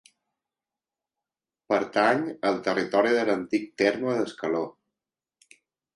Pertany al territori de l'antic terme d'Escaló.